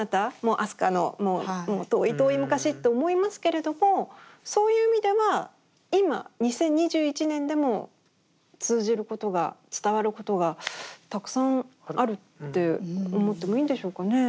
飛鳥の遠い遠い昔と思いますけれどもそういう意味では今２０２１年でも通じることが伝わることがたくさんあるって思ってもいいんでしょうかね。